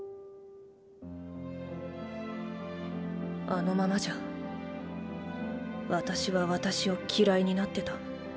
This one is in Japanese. あのままじゃ私は私を嫌いになってた。